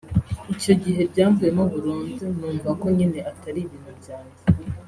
Icyo gihe byamvuyemo burundu numva ko nyine atari ibintu byanjye